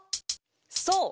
そう！